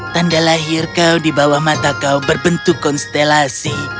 tanda lahir kau di bawah mata kau berbentuk konstelasi